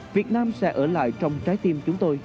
việt nam sẽ ở lại trong trái tim chúng tôi